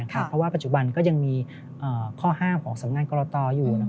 เพราะว่าปัจจุบันก็ยังมีข้อห้ามของสำงานกรตอยู่